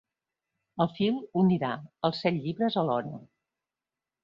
El fil unirà els set llibres alhora.